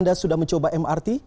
anda sudah mencoba mrt